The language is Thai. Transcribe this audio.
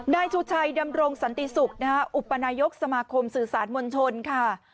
นายชูชัยดำรงสันติศุกร์อุปนายกสมาคมสื่อสารมวลชนค่ะ